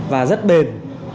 và rất bền